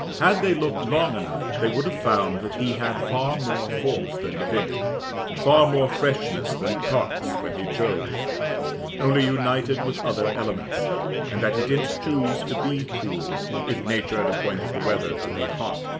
Had they looked long enough they would have found that he had far more force than De Wint, far more freshness than Cox when he chose, only united with other elements; and that he didn't choose to be cool, if nature had appointed the weather to be hot.